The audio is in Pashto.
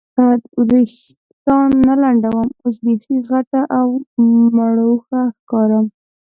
وریښتان نه لنډوم، اوس بیخي غټه او مړوښه ښکارم.